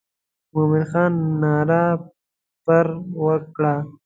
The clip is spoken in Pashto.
مومن خان ناره پر وکړه.